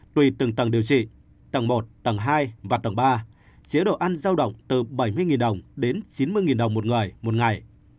tùy từng tầng điều trị tầng một tầng hai và tầng ba chế độ ăn giao động từ bảy mươi đồng đến chín mươi đồng một người một ngày